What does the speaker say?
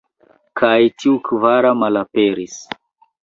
Kaj tiu kvara malaperis.